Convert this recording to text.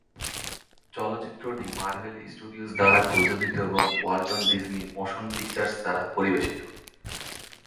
চলচ্চিত্রটি Marvel Studios দ্বারা প্রযোজিত এবং ওয়াল্ট ডিজনি মোশন পিকচার্স দ্বারা পরিবেশিত।